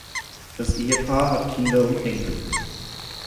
Das Ehepaar hat Kinder und Enkel.